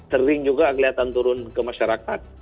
sering juga kelihatan turun ke masyarakat